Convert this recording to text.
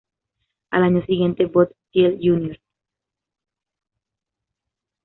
Al año siguiente, Bob Thiele Jr.